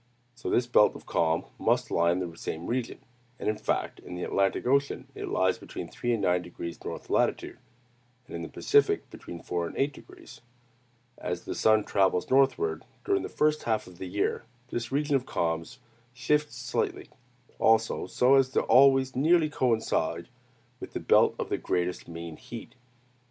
So this belt of calms must lie in the same region; and, in fact, in the Atlantic ocean it lies between 3 and 9° north latitude, and in the Pacific, between 4 and 8°. As the sun travels northward during the first half of the year, this region of calms shifts slightly, also, so as to always nearly coincide with belt of the greatest mean heat.